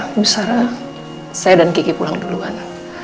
mas wuryah bu sarah saya dan kiki pulang duluan